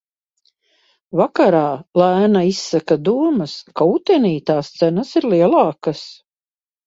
Vakarā Lēna izsaka domas, ka utenī tās cenas ir lielākas.